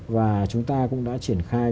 và chúng ta cũng đã chuyển khai